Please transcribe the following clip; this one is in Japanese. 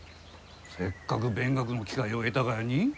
せっかく勉学の機会を得たがやに？